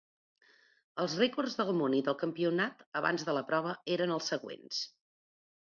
Els rècords del món i del campionat abans de la prova eren els següents.